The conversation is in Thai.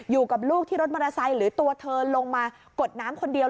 อยู่กับลูกที่รถมอเตอร์ไซค์หรือตัวเธอลงมากดน้ำคนเดียว